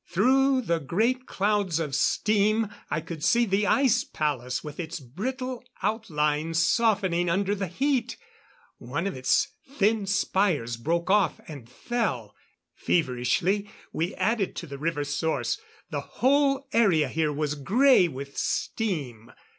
Through the great clouds of steam I could see the Ice Palace with its brittle outlines softening under the heat ... one of its thin spires broke off and fell.... Feverishly we added to the river source. The whole area here was grey with steam.